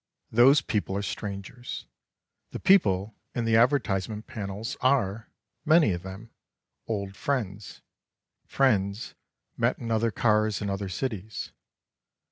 Those people are strangers, the people in the advertisement panels are, many of them, old friends, friends met in other cars in other cities.